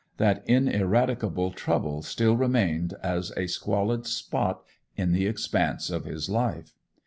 That ineradicable trouble still remained as a squalid spot in the expanse of his life.